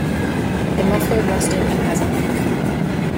The muffler rusted and has a leak.